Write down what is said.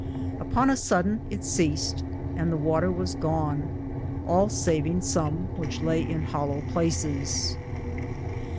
Upon a sodon it seaste, •and the water was gone, all savinge som which laye in hollow placis.